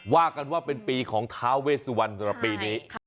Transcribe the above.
ว่ากันว่าเป็นปีของทาวเวสวรรค์ตลอดปีนี้